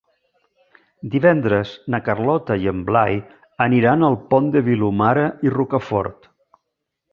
Divendres na Carlota i en Blai aniran al Pont de Vilomara i Rocafort.